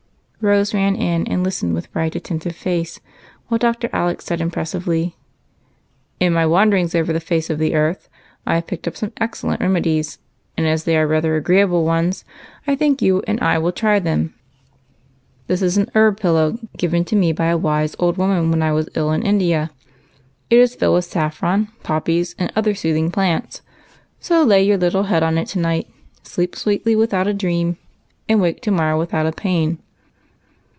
Rose ran in and listened with bright, attentive face, while Dr. Alec said, impressively, —" In my wanderings over the face of the earth, I A UNTS. 45 have picked up some excellent remedies, and, as they are rather agreeable ones, I think you and I will try them. This is an herb pillow, given to me by a wise old woman when I was ill in India. It is filled w4th saffron, poppies, and other soothing plants ; so lay your little head on it to night, sleep sweetly without a dream, and wake to morrow without a pain."